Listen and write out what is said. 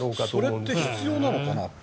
それって必要なのかなって